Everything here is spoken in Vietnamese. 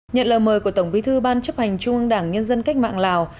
nhận lời mời của tổng bí thư ban chấp hành trung ương đảng nhân dân cách mạng lào